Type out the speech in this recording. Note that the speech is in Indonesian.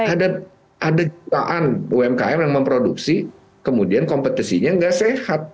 ada jutaan umkm yang memproduksi kemudian kompetisinya nggak sehat